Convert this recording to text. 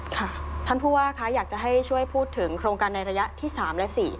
ค่ะท่านผู้ว่าคะอยากจะให้ช่วยพูดถึงโครงการในระยะที่๓และ๔